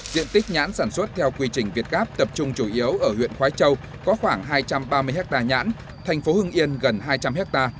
diện tích nhãn sản xuất theo quy trình việt gáp tập trung chủ yếu ở huyện khói châu có khoảng hai trăm ba mươi hectare nhãn thành phố hưng yên gần hai trăm linh ha